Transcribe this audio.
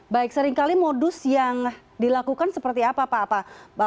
baik seringkali modus yang dilakukan seperti apa pak apa